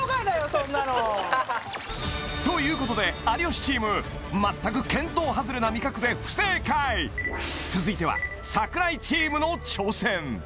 そんなのということで有吉チーム全く見当外れな味覚で不正解続いては櫻井チームの挑戦